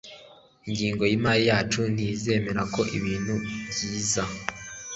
Ingengo yimari yacu ntizemera ko ibintu byiza